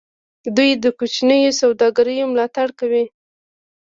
دوی د کوچنیو سوداګریو ملاتړ کوي.